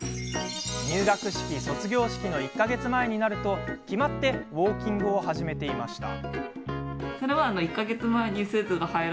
入学式、卒業式の１か月前になると決まってウォーキングを始めていました。